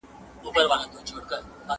ما پرون د سبا لپاره د نوي لغتونو يادونه وکړه